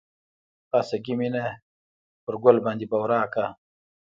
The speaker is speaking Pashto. خاصګي مينه په ګل باندې بورا کا